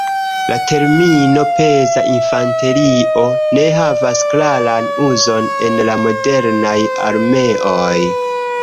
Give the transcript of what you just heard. La termino "peza infanterio" ne havas klaran uzon en la modernaj armeoj.